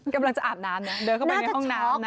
กำลังจะอาบน้ำนะเดินเข้าไปในห้องน้ำนะ